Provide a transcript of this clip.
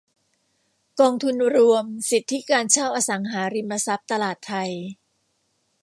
กองทุนรวมสิทธิการเช่าอสังหาริมทรัพย์ตลาดไท